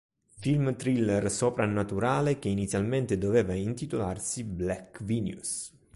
Film thriller soprannaturale che inizialmente doveva intitolarsi "Black Venus".